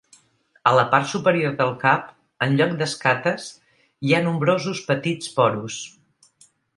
A la part superior del cap, en lloc d'escates hi ha nombrosos petits porus.